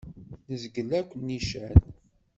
Nezgel akk nnican.